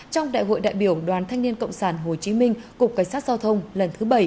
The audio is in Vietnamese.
trong đại hội đại biểu đoàn thanh niên cộng sản hồ chí minh cục cảnh sát giao thông lần thứ bảy